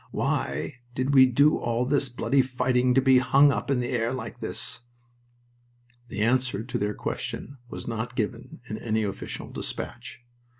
Why did we do all this bloody fighting to be hung up in the air like this?" The answer to their question has not been given in any official despatch.